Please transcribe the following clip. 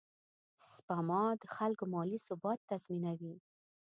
سپما د خلکو مالي ثبات تضمینوي.